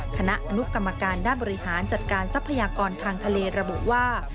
คณะอนุกรรมการด้านบริหารจัดการทรัพยากรทางทะเลระบุว่า